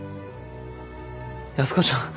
安子ちゃん。